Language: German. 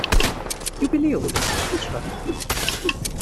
Jubiläum des Parks statt.